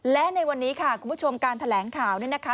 และในวันนี้ค่ะคุณผู้ชมการแถลงข่าวเนี่ยนะคะ